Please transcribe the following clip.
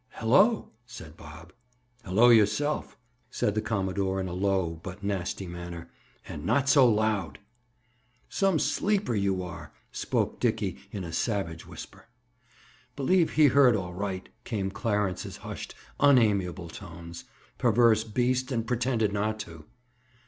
"Hello!" said Bob. "Hello yourself!" said the commodore in a low but nasty manner. "And not so loud!" "Some sleeper, you are!" spoke Dickie in a savage whisper. "Believe he heard, all right!" came Clarence's hushed, unamiable tones. "Perverse beast, and pretended not to!"